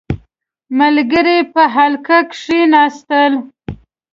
• ملګري په حلقه کښېناستل.